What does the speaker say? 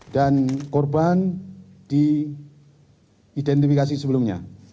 dan korban diidentifikasi sebelumnya